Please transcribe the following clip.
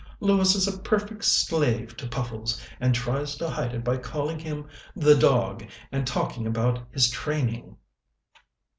Lewis is a perfect slave to Puffles, and tries to hide it by calling him 'the dog' and talking about his training."